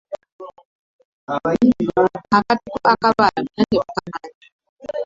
Akatiko akabaala mwenna temukamanyi?